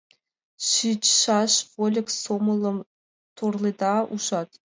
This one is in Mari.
Шичшаш... вольык сомылым торледа, ужат?